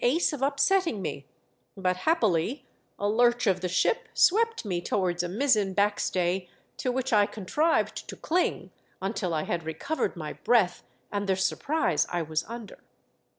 ace of upsetting me, but, happily, a lurch of the ship swept me towards a mizzen back stay, to which I contrived to cling until I had recovered my breath and the surprise I was under.